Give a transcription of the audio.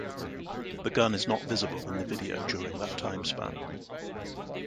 The gun is not visible in the video during that timespan.